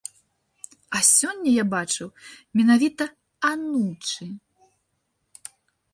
А сёння я бачыў менавіта анучы.